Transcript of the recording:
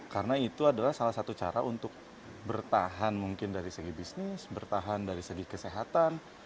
karena itu adalah salah satu cara untuk bertahan mungkin dari segi bisnis bertahan dari segi kesehatan